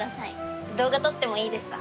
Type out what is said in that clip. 動画撮ってもいいですか？